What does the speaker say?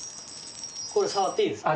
これ触っていいですか？